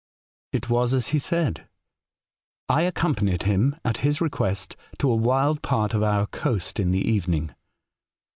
"It was as he said. I accompanied him, at his request, to a wild part of our coast in the evening.